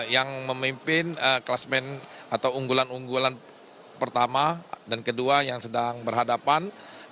yang memimpin kelasmen atau unggulan unggulan pertama dan kedua yang sedang berhadapan